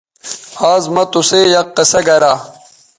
آز مہ تُسئ یک قصہ گرا